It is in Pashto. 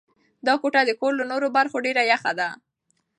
دا کوټه د کور له نورو برخو ډېره یخه ده.